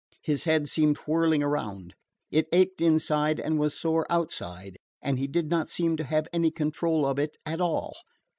His head seemed whirling around. It ached inside and was sore outside, and he did not seem to have any control of it at all.